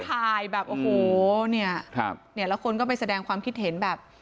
ตามถ่ายแบบโอ้โหแล้วคนก็ไปแสดงความคิดเห็นแบบ